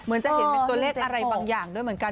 จะเห็นเป็นตัวเลขอะไรบางอย่างด้วยเหมือนกัน